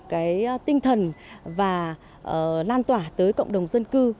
cái tinh thần và lan tỏa tới cộng đồng dân cư